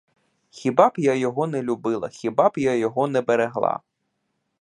Хіба б я його не любила, хіба б я його не берегла?